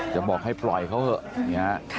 จะบอกให้ปล่อยเขาเหอะ